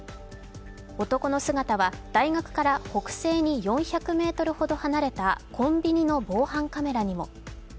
男の姿は、大学から北西に４００ｍほど離れたコンビニの防犯カメラにも。